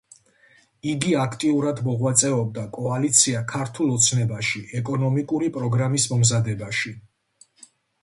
იგი აქტიურად მოღვაწეობდა კოალიცია „ქართულ ოცნებაში“ ეკონომიკური პროგრამის მომზადებაში.